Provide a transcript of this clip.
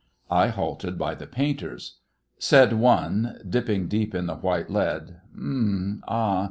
I halted by the painters. Said one, dipping deep in the white lead: 'Um, ah!